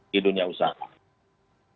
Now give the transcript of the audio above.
di dunia usaha